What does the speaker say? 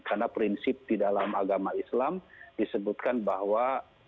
karena prinsip di dalam agama islam disebutkan bahwa